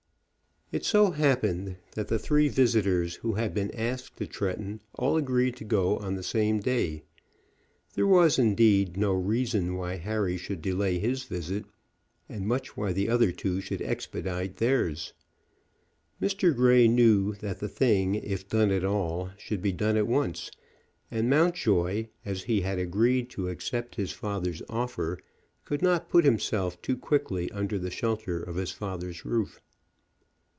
It so happened that the three visitors who had been asked to Tretton all agreed to go on the same day. There was, indeed, no reason why Harry should delay his visit, and much why the other two should expedite theirs. Mr. Grey knew that the thing, if done at all, should be done at once; and Mountjoy, as he had agreed to accept his father's offer, could not put himself too quickly under the shelter of his father's roof.